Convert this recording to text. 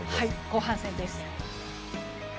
後半戦です。